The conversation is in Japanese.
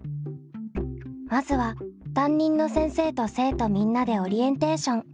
まずは担任の先生と生徒みんなでオリエンテーション。